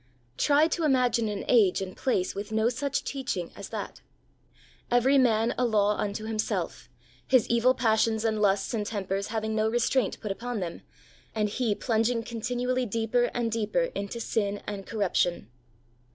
Try to imagine an age and place with no such teaching as that ! Every man a law unto himself, his evil passions and lusts and tempers having no restraint put upon them, and he plunging continually deeper and deeper into sin and corruption.